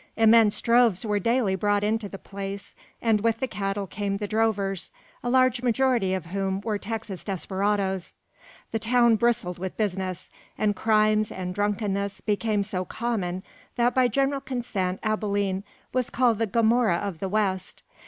Immense droves were daily brought into the place, and with the cattle came the drovers, a large majority of whom were Texan desperadoes. The town bristled with business, and crimes and drunkenness became so common that by general consent Abilene was called the Gomorrah of the West.